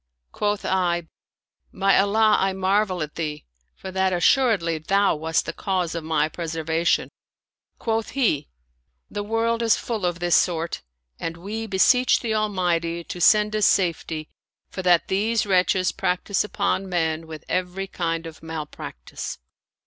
Quoth I, " By Allah, I marvel at thee, for that assuredly thou wast the cause of my preservation !" Quoth he, " The world is full of this sort ; and we beseech the Almighty to send us safety, for that these wretches practice upon men with every kind of malpractice."